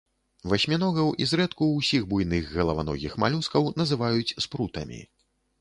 Васьміногаў і зрэдку ўсіх буйных галаваногіх малюскаў называюць спрутамі.